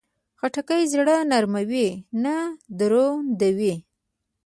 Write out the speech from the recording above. خټکی زړه نرموي، نه دروندوي.